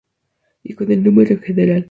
Y con el mundo en general.